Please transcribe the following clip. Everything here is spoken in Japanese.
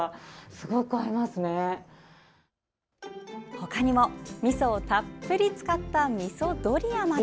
他にも、みそをたっぷり使ったみそドリアまで。